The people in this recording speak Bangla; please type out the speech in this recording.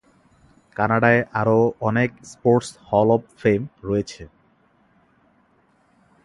কানাডায় আরও অনেক স্পোর্টস হল অব ফেম রয়েছে।